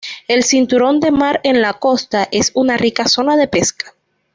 El cinturón de mar en la costa es una rica zona de pesca.